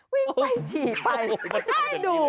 วิ่งไปฉี่ไปน่าดัว